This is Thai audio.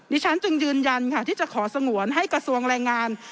ฉันจึงยืนยันค่ะที่จะขอสงวนให้กระทรวงแรงงาน